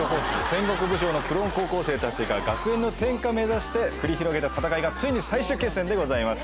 戦国武将のクローン高校生たちが学園の天下目指して繰り広げた戦いがついに最終決戦でございます。